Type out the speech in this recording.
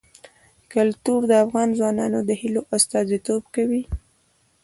کلتور د افغان ځوانانو د هیلو استازیتوب کوي.